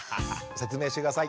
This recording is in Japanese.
説明して下さい。